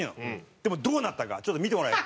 でもどうなったかちょっと見てもらえる？